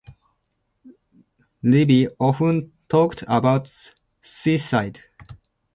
Levy often talked about suicide.